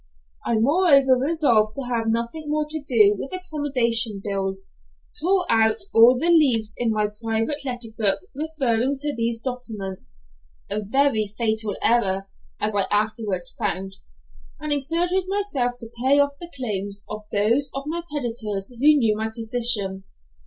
I moreover resolved to having nothing more to do with accommodation bills, tore out all the leaves in my private letter book referring to these documents a very fatal error, as I afterwards found and exerted myself to pay off the claims of those of my creditors who knew my position.